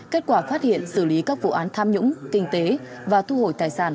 kết quả phát hiện xử lý các vụ án tham nhũng kinh tế và thu hồi tài sản